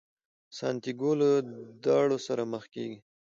سانتیاګو له داړو سره مخ کیږي.